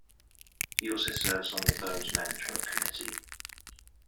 He also serves on the firm's Management Committee.